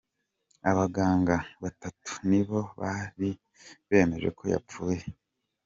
Abaganga batatu nibo bari bemeje ko yapfuye.